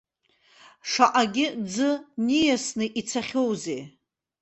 Шаҟагьы ӡы ниасны ицахьоузеи?